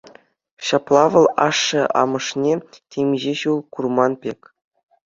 Ҫапла вӑл ашшӗ-амӑшне темиҫе ҫул курман пек.